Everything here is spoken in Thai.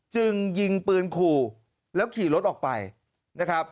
จึงยิงปืนขู่แล้วขี่รถออกไปนะครับ